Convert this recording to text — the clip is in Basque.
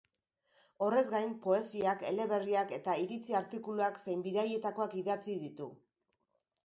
Horrez gain, poesiak, eleberriak eta iritzi artikuluak zein bidaietakoak idatzi ditu.